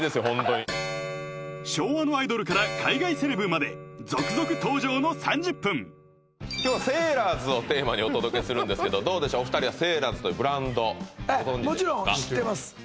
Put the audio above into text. ホントに昭和のアイドルから海外セレブまで続々登場の３０分今日はセーラーズをテーマにお届けするんですけどどうでしょうお二人はセーラーズというブランドご存じですかもちろん知ってます